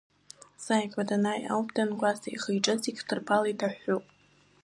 Сааигәа данааи ауп дангәасҭа, ихы-иҿы зегь хҭырԥала иҭаҳәҳәоуп.